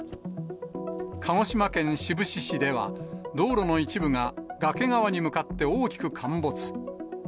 鹿児島県志布志市では、道路の一部が崖側に向かって大きく陥没。